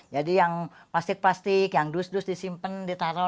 jadi yang plastik plastik yang dus dus disimpan ditaruh